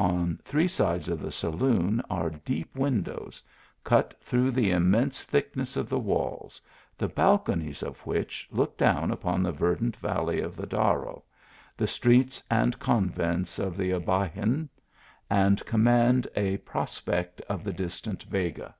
On three sides of the saloon, are deep windows, cut through the immense thickness of the walls, the balconies of which, looking clown upon the verdant vallty ^f the Darro, the streets and convents of the Aibaycin, and command a prospect of the distant Vega.